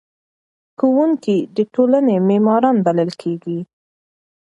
ښوونکي د ټولنې معماران بلل کیږي.